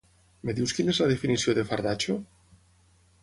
Em dius quina és la definició de fardatxo?